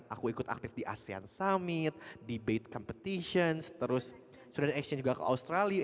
aku ikut aktif di asean summit debate competition terus student exchange juga ke australia